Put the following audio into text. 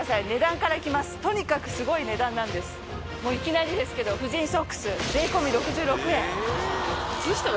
もういきなりですけど婦人ソックス税込み６６円。